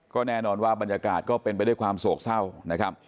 ก็แน่นอนว่าบรรยากาศก็เป็นไปด้วยความโศกเศร้านะครับ